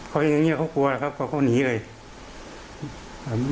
เขาเห็นอย่างนี้เขากลัวครับเขาก็หนีเลย